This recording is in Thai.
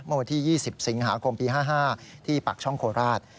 เมื่อวันที่๒๐สิงหาคมปี๕๕ที่ปากช่องโคราช